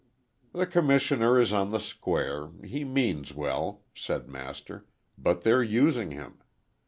"The commissioner is on the square he means well," said Master, "but they're using him.